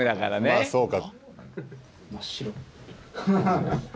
まあそうか。